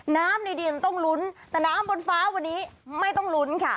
ในดินต้องลุ้นแต่น้ำบนฟ้าวันนี้ไม่ต้องลุ้นค่ะ